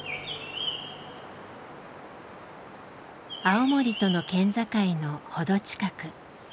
青森との県境の程近く。